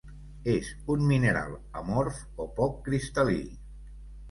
És un mineral amorf o poc cristal·lí.